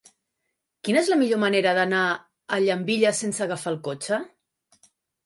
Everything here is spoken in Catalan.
Quina és la millor manera d'anar a Llambilles sense agafar el cotxe?